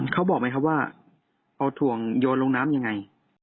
เขาบอกไหมครับว่าเอาถ่วงโยนลงน้ำยังไง